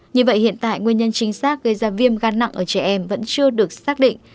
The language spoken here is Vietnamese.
như vậy hiện tại nguyên nhân chính xác gây ra viêm gan nặng ở trẻ em vẫn chưa được xác định